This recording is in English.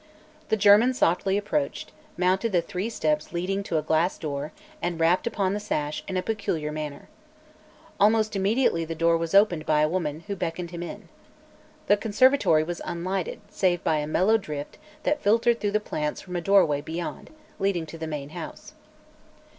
The German softly approached, mounted the three steps leading to a glass door, and rapped upon the sash in a peculiar manner. Almost immediately the door was opened by a woman, who beckoned him in. The conservatory was unlighted save by a mellow drift that filtered through the plants from a doorway beyond, leading to the main house.